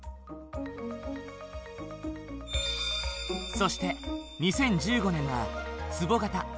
そして２０１５年はつぼ型。